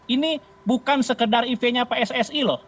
ini bukan sekedar eventnya pssi loh